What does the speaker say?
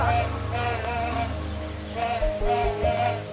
pak pak pak pak pak